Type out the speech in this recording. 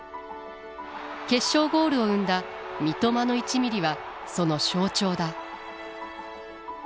決勝ゴールを生んだ「三笘の１ミリ」はその象徴だ。